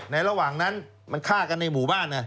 ระหว่างนั้นมันฆ่ากันในหมู่บ้าน